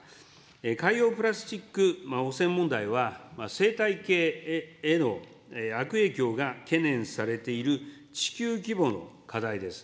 海洋プラスチック汚染問題は、生態系への悪影響が懸念されている地球規模の課題です。